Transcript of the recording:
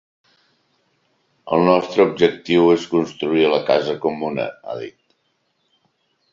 El nostre objectiu és construir la casa comuna, ha dit.